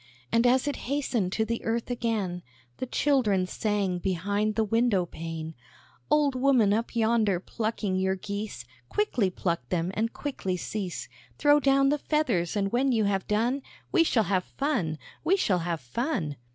And as it hastened to the earth again, The children sang behind the window pane: "Old woman, up yonder, plucking your geese, Quickly pluck them, and quickly cease; Throw down the feathers, and when you have done, We shall have fun we shall have fun."